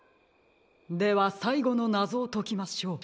ではさいごのなぞをときましょう。